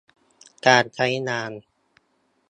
การใช้งาน